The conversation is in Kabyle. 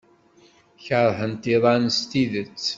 Keṛhent iḍan s tidet.